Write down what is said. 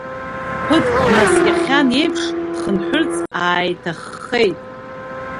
Ԥыҭк днаскьахьан еиԥш, дхынҳәырц ааиҭаххеит.